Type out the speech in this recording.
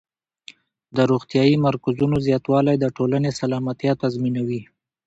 د روغتیايي مرکزونو زیاتوالی د ټولنې سلامتیا تضمینوي.